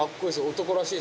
男らしい？